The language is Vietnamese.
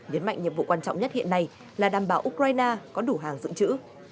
nhấn mạnh nhiệm vụ quan trọng nhất hiện nay là đảm bảo ukraine có đủ hàng dựng chữ